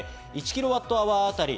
１キロワットアワーあたり